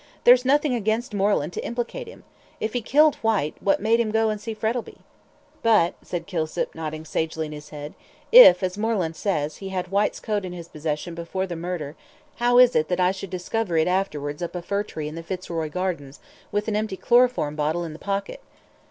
"There's nothing against Moreland to implicate him. If he killed Whyte, what made him go and see Frettlby?" "But," said Kilsip, sagely nodding his head, "if, as Moreland says, he had Whyte's coat in his possession before the murder how is it that I should discover it afterwards up a fir tree in the Fitzroy Gardens, with an empty chloroform bottle in the pocket."